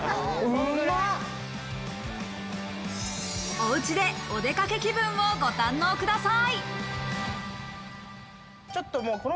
おうちでお出かけ気分をご堪能ください。